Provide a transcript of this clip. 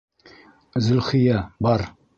Зөлхиә, бар!